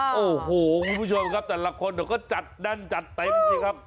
ค่ะโอ้โหทุกผู้ชมครับแต่ละคนก็จัดดันจัดเต็มทีครับ